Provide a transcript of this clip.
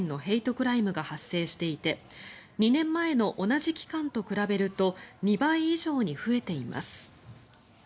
クライムが発生していて２年前の同じ期間と比べると２倍以上に増えています。